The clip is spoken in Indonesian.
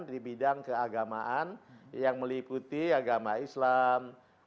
di bidang keagamaan yang meliputi agama islam